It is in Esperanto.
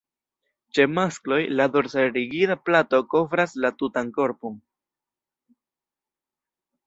Ĉe maskloj, la dorsa rigida plato kovras la tutan korpon.